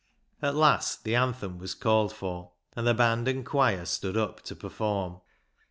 At last the anthem was called for, and the band and choir stood up to perform.